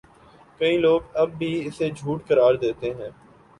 کئی لوگ اب بھی اسے جھوٹ قرار دیتے ہیں